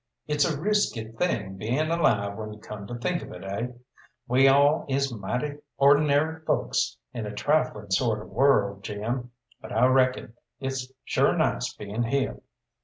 It's a risky thing bein' alive when you come to think of it, eh? We all is mighty or'nary folks in a trifling sort of world, Jim; but I reckon it's sure nice being heah.